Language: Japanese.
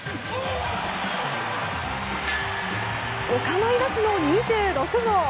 お構いなしの２６号。